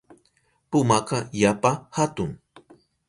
Pumaka yapa hatun.